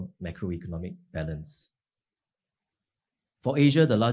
untuk asia pengguna yang lebih besar